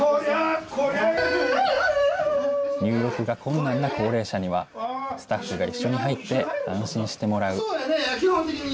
入浴が困難な高齢者には、スタッフが一緒に入って安心してもらう。